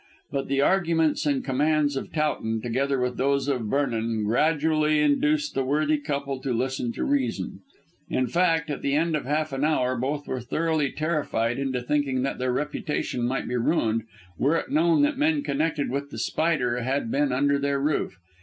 But the arguments and commands of Towton, together with those of Vernon, gradually induced the worthy couple to listen to reason. In fact, at the end of half an hour both were thoroughly terrified into thinking that their reputation might be ruined were it known that men connected with The Spider had been under their roof.